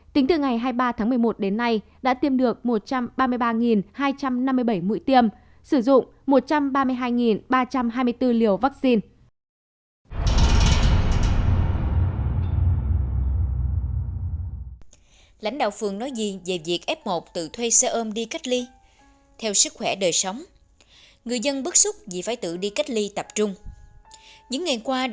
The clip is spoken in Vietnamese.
tính từ ngày hai mươi ba tháng một mươi một đến nay đã tiêm được một trăm ba mươi ba hai trăm năm mươi bảy mũi tiêm sử dụng một trăm ba mươi hai ba trăm hai mươi bốn liều vaccine